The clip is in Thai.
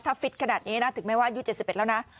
ถ้าฟิตขนาดนี้นะถึงแม้ว่าอายุ๗๑แล้วนะ